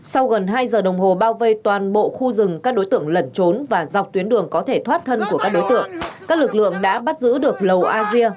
sau gần hai giờ đồng hồ bao vây toàn bộ khu rừng các đối tượng lẩn trốn và dọc tuyến đường có thể thoát thân của các đối tượng các lực lượng đã bắt giữ được lầu a dia